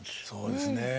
そうですね。